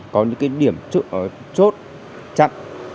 có những điểm trộn chốt chặn